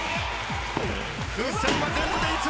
風船は全部で５つ。